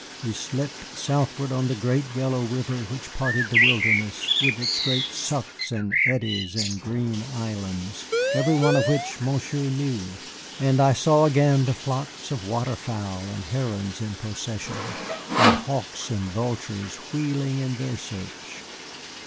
We slipped southward on the great, yellow river which parted the wilderness, with its sucks and eddies and green islands, every one of which Monsieur knew, and I saw again the flocks of water fowl and herons in procession, and hawks and vultures wheeling in their search.